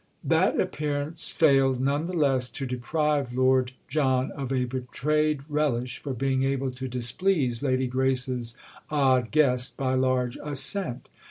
That appearance failed none the less to deprive Lord John of a betrayed relish for being able to displease Lady Grace's odd guest by large assent.